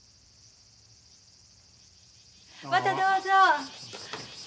またどうぞ。